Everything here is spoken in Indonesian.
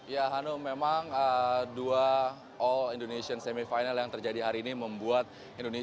ya hanum memang dua all indonesian semi final yang terjadi hari ini